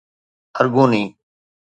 ارگوني